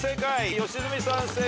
良純さん正解。